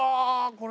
これ。